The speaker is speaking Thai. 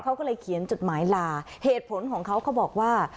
เขาก็เลยเขียนจดหมายลาเหตุผลของเขาเขาบอกว่า